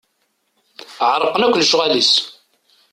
Ɛerqen akk lecɣal-is.